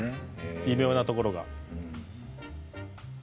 微妙なところがね。